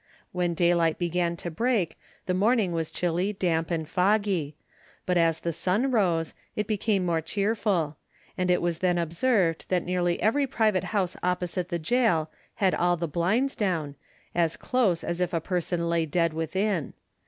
When daylight began to break the morning was chilly, damp, and foggy; but, as the sun rose, it became more cheerful, and it was then observed that nearly every private house opposite the gaol had all the blinds down, as close as if a person lay dead within.